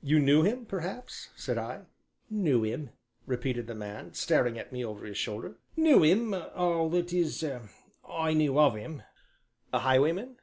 "You knew him perhaps?" said I. "Knew him," repeated the man, staring at me over his shoulder, "knew him ah that is, I knew of him." "A highwayman?"